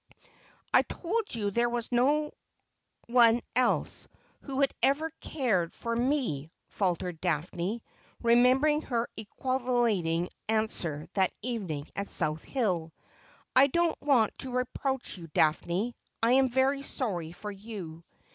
' I told you there was no one else who had ever cared for me,' faltered Daphne, remembering her equivocating answer that evening at South Hill. ' I don't want to reproach you. Daphne. I am very sorry for you.'